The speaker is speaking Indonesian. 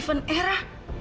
jangan sampai era